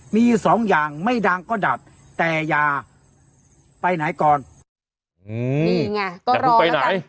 มีสองอย่างไม่ดังก็ดัดแต่ยาไปไหนก่อนอืมนี่ไงก็รอแล้วกัน